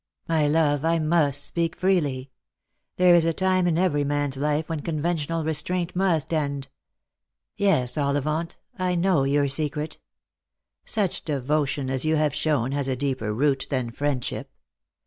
" My love, I must speak freely. There is a time in every man's life when conventional restraint must end. Yes, Ollivant, I know your secret. Such devotion as you have shown has a deeper root than friendship.